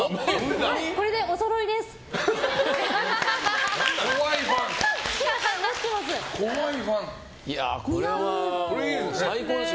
これでおそろいです。